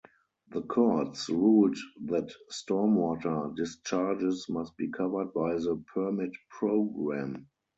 The courts ruled that stormwater discharges must be covered by the permit program.